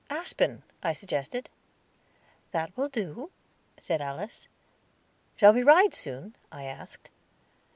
"Aspen," I suggested. "That will do," said Alice. "Shall we ride soon?" I asked.